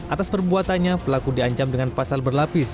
atas perbuatannya pelaku diancam dengan pasal berlapis